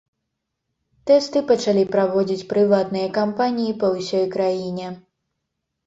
Тэсты пачалі праводзіць прыватныя кампаніі па ўсёй краіне.